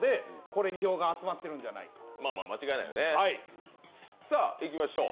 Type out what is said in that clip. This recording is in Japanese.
これに票が集まっているんじゃないかと。